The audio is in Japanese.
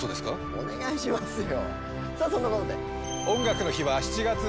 お願いしますよ。